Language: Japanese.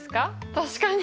確かに。